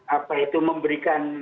apa itu memberikan